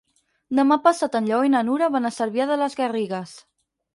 Demà passat en Lleó i na Nura van a Cervià de les Garrigues.